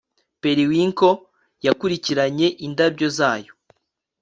Periwinkle yakurikiranye indabyo zayo